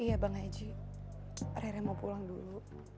iya bang aji rere mau pulang dulu